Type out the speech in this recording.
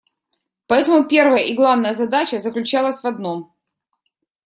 Поэтому первая и главная задача заключалась в одном.